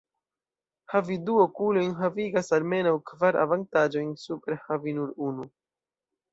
Havi du okulojn havigas almenaŭ kvar avantaĝojn super havi nur unu.